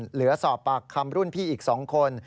เหลือสอบปากคำรุ่นพี่อีก๒คน